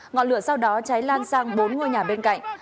ngọn lửa sau đó cháy lan sang bốn ngôi nhà bên cạnh